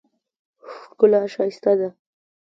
ښکلا ښایسته ده.